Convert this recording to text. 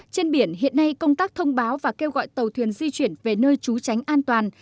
trên biển hiện nay công tác thông báo và kêu gọi tàu thuyền di chuyển về nơi trú tránh an toàn